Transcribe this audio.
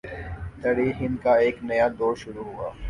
تاریخ ہند کا ایک نیا دور شروع ہوا